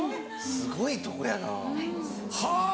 すごいとこやなぁ。